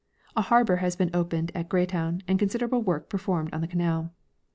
A harbor has been opened at Greytown and considerable work performed on the canal.